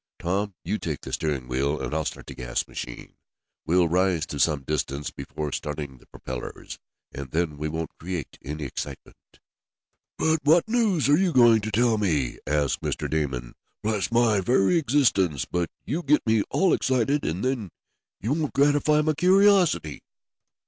Tom, you take the steering wheel, and I'll start the gas machine. We'll rise to some distance before starting the propellers, and then we won't create any excitement." "But what news are you going to tell me?" asked Mr. Damon. "Bless my very existence, but you get me all excited, and then you won't gratify my curiosity."